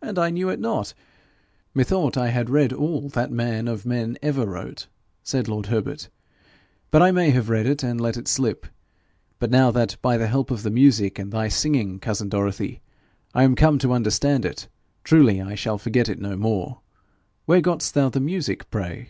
'And I knew it not! Methought I had read all that man of men ever wrote,' said lord Herbert. 'But I may have read it, and let it slip. But now that, by the help of the music and thy singing, cousin Dorothy, I am come to understand it, truly I shall forget it no more. Where got'st thou the music, pray?'